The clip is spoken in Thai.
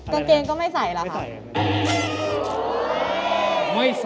กางเกงก็ไม่ใส่หรอคะ